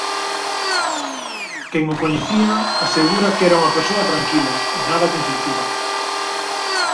Quen o coñecía asegura que era unha persoa tranquila e nada conflitiva.